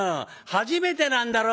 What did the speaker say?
初めてなんだろう？」。